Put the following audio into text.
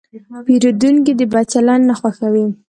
پیرودونکی د بد چلند نه خوښوي.